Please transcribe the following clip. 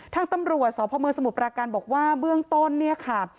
ทางตำรวจสพมสมุทรปราการบอกว่าเบื้องต้นเนี่ยค่ะ